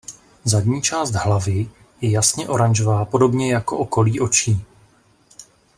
Zadní část hlavy je jasně oranžová podobně jako okolí očí.